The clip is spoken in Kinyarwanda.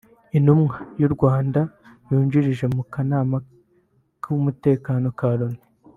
Intumwa y’ u Rwanda yungirije mu Kanama k’Umutekano ka Loni